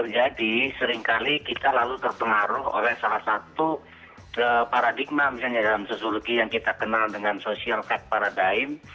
seringkali kita lalu terpengaruh oleh salah satu paradigma misalnya dalam sosiologi yang kita kenal dengan social tax paradime